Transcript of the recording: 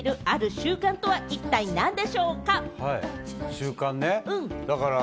習慣ね。